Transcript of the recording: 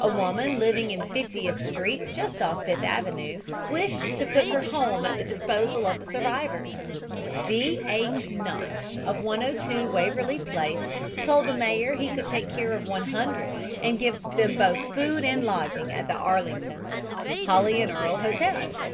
A woman living in Fiftieth Street just off Fifth Avenue wished to put her home at the disposal of the survivors. D. H. Knott, of 102 Waverley Place, told the mayor that he could take care of 100 and give them both food and lodging at the Arlington, Holly and Earl Hotels.